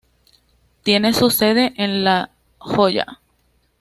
Tiene su sede en La Joya.